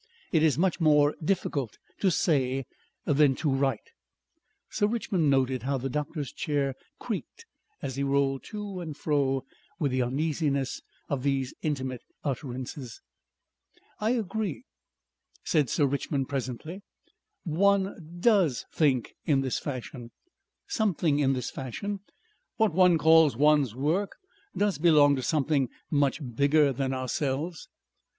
It is much more difficult to say than to write." Sir Richmond noted how the doctor's chair creaked as he rolled to and fro with the uneasiness of these intimate utterances. "I agree," said Sir Richmond presently. "One DOES think in this fashion. Something in this fashion. What one calls one's work does belong to something much bigger than ourselves.